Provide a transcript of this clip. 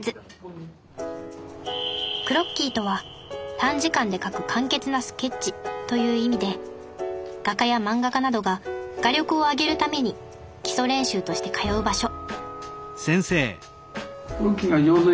クロッキーとは短時間で描く簡潔なスケッチという意味で画家や漫画家などが画力を上げるために基礎練習として通う場所